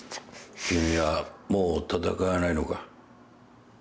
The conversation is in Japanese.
君はもう戦わないのか。